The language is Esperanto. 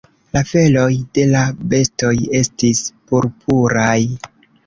La feloj de la bestoj estis purpuraj.